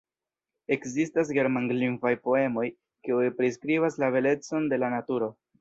Ekzistas germanlingvaj poemoj, kiuj priskribas la belecon de la naturo.